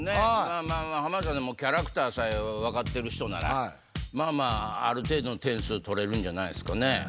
まあまあまあ浜田さんでもキャラクターさえわかってる人ならまあまあある程度の点数取れるんじゃないですかね。